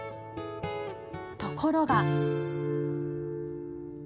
ところが。